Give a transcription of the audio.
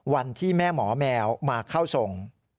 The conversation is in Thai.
วันที่แม่หมอแมวมาเข้าทรง